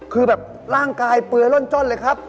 คือแบบร่างกายเปลือร่นจ้นเลยครับ